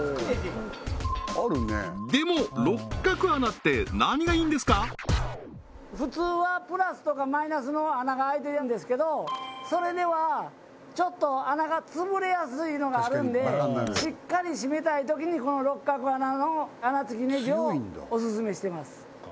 でも普通はプラスとかマイナスの穴が開いてるんですけどそれではちょっと穴がつぶれやすいのがあるんでしっかり締めたいときにこの六角穴付きネジをオススメしてます